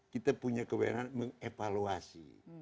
kita punya kebenaran mengevaluasi